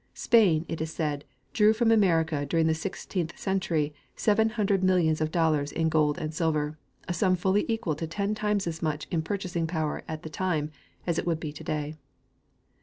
Spain, it is said, drew from America during the sixteenth century seven hundred millions of dollars in gold and silver, a sum fully equal to ten times as much in purchasing power at that time as it would be to day.